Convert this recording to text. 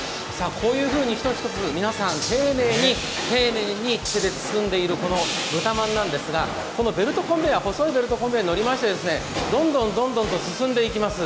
こういうふうに１つ１つ、皆さん、丁寧に丁寧に手で包んでいる豚まんなんでてすが細いベルトコンベヤーに乗りましてどんどんと進んでいきます。